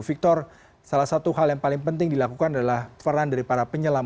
victor salah satu hal yang paling penting dilakukan adalah peran dari para penyelam